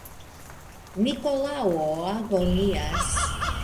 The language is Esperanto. Nikolao agonias.